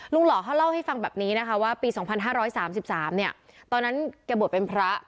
ลุงหล่อเขาเล่าให้ฟังแบบนี้นะคะว่าปีสองพันห้าร้อยสามสิบสามเนี่ยตอนนั้นเกะบดเป็นพระ